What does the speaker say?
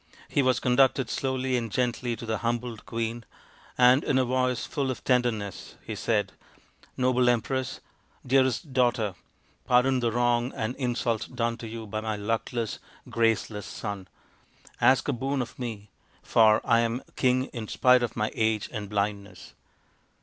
He was conducted slowly and gently to the humbled queen, and in a voice full of tenderness he said, " Noble Empress, dearest daughter, pardon the wrong and insult done to you by my luckless, graceless son. Ask a boon of me, for I am king in spite of my age and blindness.